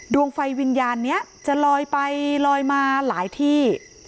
ดวงไฟวิญญาณนี้จะลอยไปลอยมาหลายที่